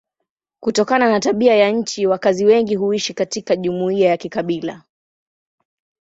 Kutokana na tabia ya nchi wakazi wengi huishi katika jumuiya za kikabila.